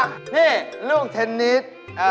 นี่ลูกเทนนิส